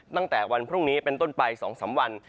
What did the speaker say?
ตั้งแต่วันพรุ่งนี้เป็นต้นไป๒๓วัน